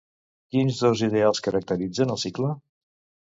Quins dos ideals caracteritzen el cicle?